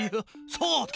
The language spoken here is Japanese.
そうだ！